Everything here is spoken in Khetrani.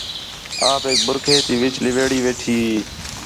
آپیک بُرکھے تی وِچ ہویڑی ویٹھی ہی